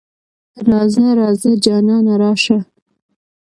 راځه ـ راځه جانانه راشه.